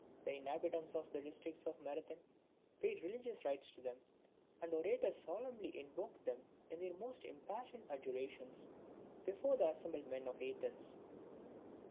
The inhabitants of the districts of Marathon paid religious rites to them; and orators solemnly invoked them in their most impassioned adjurations before the assembled men of Athens.